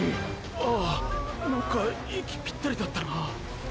ああなんか息ぴったりだったな。